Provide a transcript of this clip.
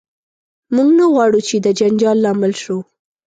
موږ نه غواړو چې د جنجال لامل شو.